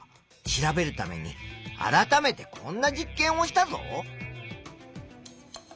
調べるために改めてこんな実験をしたぞ。